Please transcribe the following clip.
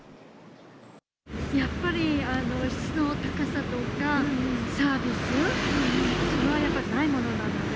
やっぱり、質の高さとかサービス、それはやっぱないものなので。